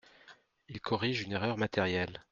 Il corrige une erreur matérielle.